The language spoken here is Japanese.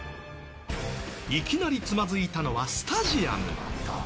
いきなりつまずいたのはスタジアム。